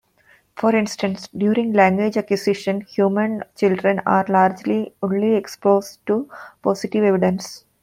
For instance, during language acquisition, human children are largely only exposed to positive evidence.